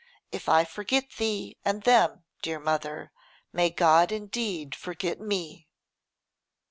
If I forget thee and them, dear mother, may God indeed forget me.